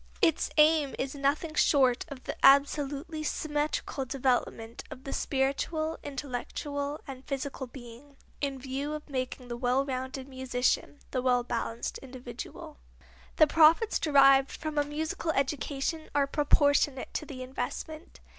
Its aim is nothing short of the absolutely symmetrical development of the spiritual, intellectual and physical being, in view of making the well rounded musician, the well balanced individual. The profits derived from a musical education are proportionate to the investment.